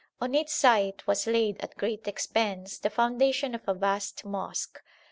On its site was laid at great expense the foundation of a vast mosque.